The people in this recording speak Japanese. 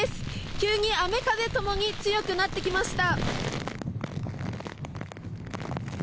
急に雨風共に強くなってきました。